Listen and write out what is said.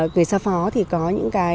người xa phó thì có những cái